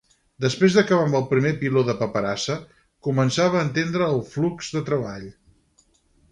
Desprès d'acabar amb el primer piló de paperassa, començava a entendre al flux de treball.